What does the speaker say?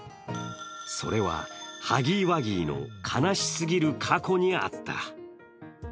それは、ハギーワギーの悲しすぎる過去にあった。